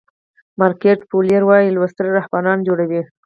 مارګریت فو لیر وایي لوستل رهبران جوړوي.